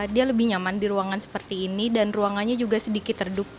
dia lebih nyaman di ruangan seperti ini dan ruangannya juga sedikit redup